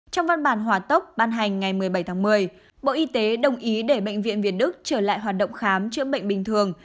trong văn bản hòa tốc ban hành ngày một mươi bảy tháng một mươi bộ y tế đồng ý để bệnh viện việt đức trở lại hoạt động khám chữa bệnh bình thường